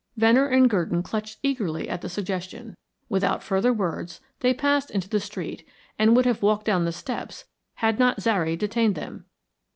Venner and Gurdon clutched eagerly at the suggestion. Without further words, they passed into the street, and would have walked down the steps had not Zary detained them.